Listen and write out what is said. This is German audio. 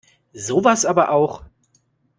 Sowas aber auch!